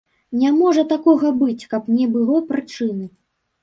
Не можа такога быць, каб не было прычыны!